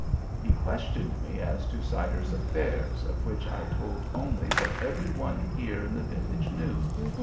He questioned me as to Siders' affairs, of which I told only what every one here in the village knew.